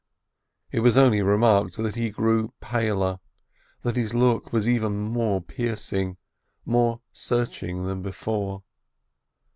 It was only remarked that he grew paler, that his look was even more piercing, more searching than before.